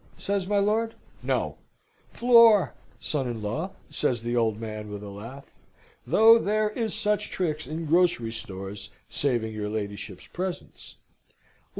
says my lord. "No; floor, son in law!" says the old man, with a laugh; "though there is such tricks, in grocery stores, saving your ladyship's presence."